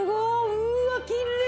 うわっきれい！